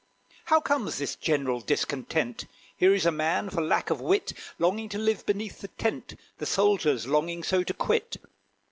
How comes this general discontent? Here is a man, for lack of wit, Longing to live beneath the tent The soldier's longing so to quit.